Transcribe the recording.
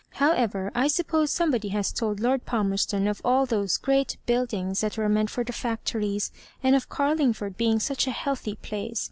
However, I suppese somebody has told Lord Palmerston of all those greai buildings that were meant for the factories, and of Car lingford being such a healthy place.